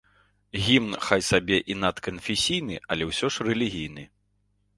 Гімн хай сабе і надканфесійны, але ўсё ж рэлігійны.